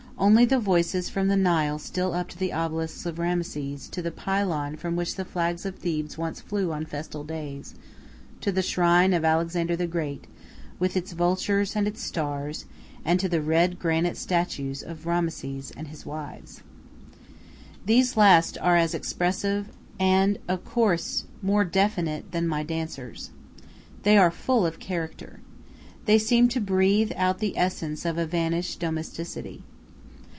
Only the voices from the Nile steal up to the obelisk of Rameses, to the pylon from which the flags of Thebes once flew on festal days, to the shrine of Alexander the Great, with its vultures and its stars, and to the red granite statues of Rameses and his wives. These last are as expressive as and of course more definite than my dancers. They are full of character. They seem to breathe out the essence of a vanished domesticity.